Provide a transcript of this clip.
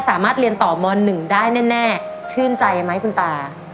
สามารถเรียนต่อม๑ได้แน่ชื่นใจไหมคุณตา